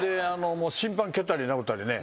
審判蹴ったり殴ったりね。